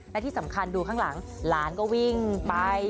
และที่สำคัญดูข้างหลังหลานก็วิ่งไป